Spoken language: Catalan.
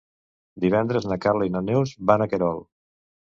Divendres na Carla i na Neus van a Querol.